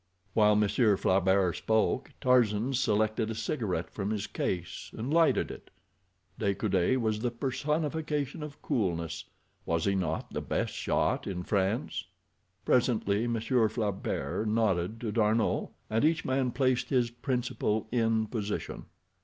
While Monsieur Flaubert spoke Tarzan selected a cigarette from his case, and lighted it. De Coude was the personification of coolness—was he not the best shot in France? Presently Monsieur Flaubert nodded to D'Arnot, and each man placed his principal in position.